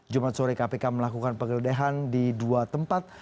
jumat sore kpk melakukan penggeledahan di dua tempat